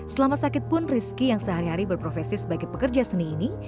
selama sakit pun rizky yang sehari hari berprofesi sebagai pekerja seni ini